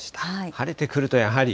晴れてくると、やはり。